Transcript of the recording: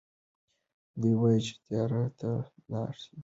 دوی وايي چې تیارو ته لارې هواروي.